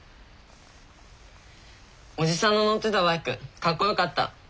おじさんの乗ってたバイクかっこよかった。